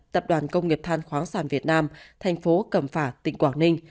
tập đoàn công nghiệp than khoáng sản việt nam thành phố cẩm phả tỉnh quảng ninh